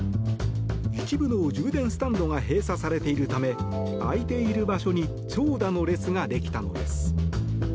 一部の充電スタンドが閉鎖されているため開いている場所に長蛇の列ができたのです。